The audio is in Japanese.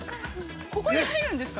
ここに入るんですか。